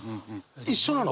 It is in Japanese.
一緒なの。